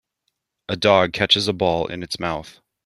A dog catches a ball in its mouth.